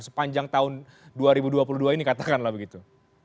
sepanjang tahun dua ribu dua puluh dua ini katakanlah begitu